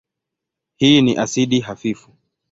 Hii ni asidi hafifu.